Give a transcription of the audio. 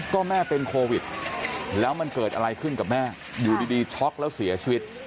ก็แม่เป็นโควิดแล้วมันเกิดอะไรขึ้นกับแม่อยู่ดีช็อกแล้วเสียชีวิต